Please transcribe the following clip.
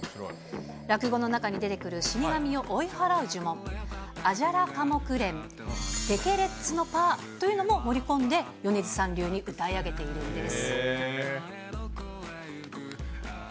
落語の中に出てくる死神を追い払う呪文、アジャラカモクレン、テケレッツのパーというのを盛り込んで、米津さん流に歌い上げているんです。